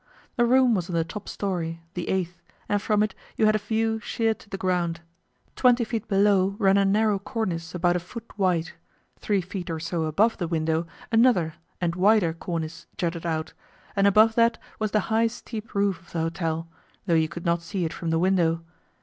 The room was on the top storey the eighth and from it you had a view sheer to the ground. Twenty feet below ran a narrow cornice about a foot wide; three feet or so above the window another and wider cornice jutted out, and above that was the high steep roof of the hotel, though you could not see it from the window.